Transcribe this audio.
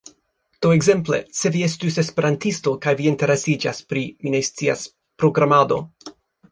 Do ekzemple, se vi estus esperantisto kaj vi interesiĝas pri, mi ne scias, programado